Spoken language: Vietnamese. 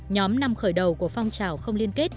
nhóm năm khởi đầu của phong trào không liên kết